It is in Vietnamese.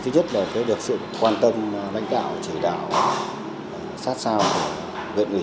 thứ nhất là được sự quan tâm lãnh đạo chỉ đạo sát sao của huyện ủy